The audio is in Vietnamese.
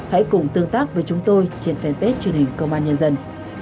hãy cùng tương tác với chúng tôi trên fanpage truyền hình công an nhân dân